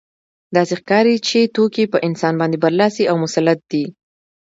داسې ښکاري چې توکي په انسان باندې برلاسي او مسلط دي